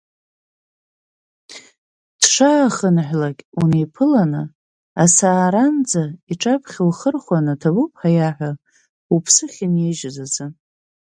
Дшаахынҳәлак унеиԥыланы асааранӡа иҿаԥхьа ухырхәаны ҭабуп ҳәа иаҳәа уԥсы ахьынижьыз азы.